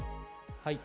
はい。